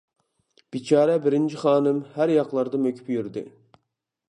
بىچارە بىرىنچى خانىم ھەر ياقلاردا مۆكۈپ يۈردى.